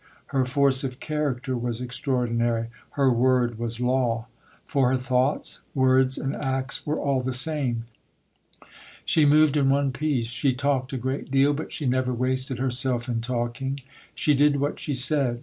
Her force of character was extraordinary. Her word was law. For her thoughts, words and acts were all the same. She moved in one piece. She talked a great deal, but she never wasted herself in talking; she did what she said.